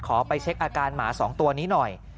ไปเช็คอาการหมา๒ตัวนี้หน่อย